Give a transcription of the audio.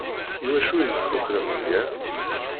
I wacu i ikukra Meẓyan?